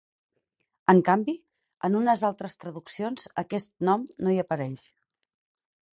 En canvi, en unes altres traduccions aquest nom no hi apareix.